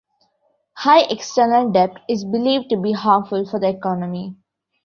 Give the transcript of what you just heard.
High external debt is believed to be harmful for the economy.